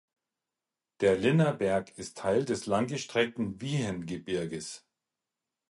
Der Linner Berg ist Teil des langgestreckten Wiehengebirges.